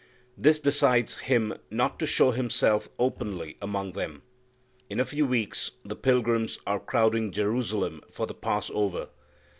This decides Him not to show Himself openly among them. In a few weeks the pilgrims are crowding Jerusalem for the Passover.